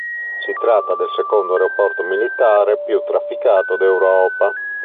Si tratta del secondo aeroporto militare più trafficato d'Europa.